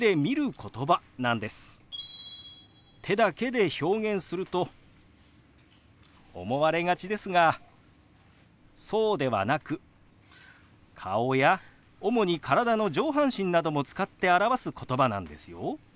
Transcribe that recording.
手だけで表現すると思われがちですがそうではなく顔や主に体の上半身なども使って表すことばなんですよ。